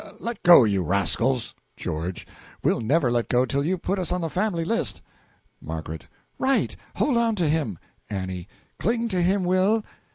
Let go, you rascals! GEO. We'll never let go till you put us on the family list. M. Right! hold to him! A. Cling to him, Will!